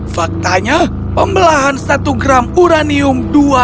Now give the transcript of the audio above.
faktanya pembelahan satu gram uranium dua ratus tiga puluh lima